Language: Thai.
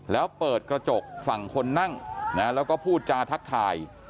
แล้วเปิดกระจกฝั่งคนนั่งแล้วก็พูดจาทักทาย